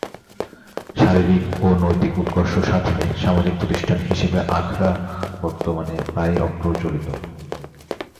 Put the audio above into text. শারীরিক ও নৈতিক উৎকর্ষ সাধনে সামাজিক প্রতিষ্ঠান হিসেবে আখড়া বর্তমানে প্রায় অপ্রচলিত।